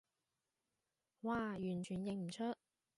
嘩，完全認唔出